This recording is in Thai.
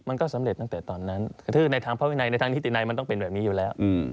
มันก็สำเร็จตั้งแต่ตอนนั้นคือในทางพระวินัยในทางนิตินัยมันต้องเป็นแบบนี้อยู่แล้ว